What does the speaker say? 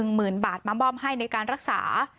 หมื่นบาทมามอบให้ในการรักษา